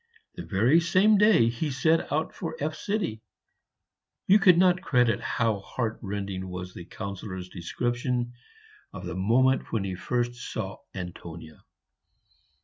The very same day he set out for F . You could not credit how heartrending was the Councillor's description of the moment when he first saw Antonia.